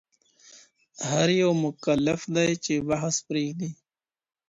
هر يو مکلف دی، چي بحث پريږدي.